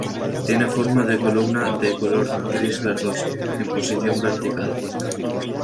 Tiene forma de columna de color gris-verdoso en posición vertical.